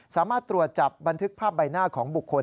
สามารถตรวจจับบันทึกภาพใบหน้าของบุคคล